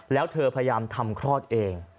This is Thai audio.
แล้วเธอพยายามทำคลอดเอง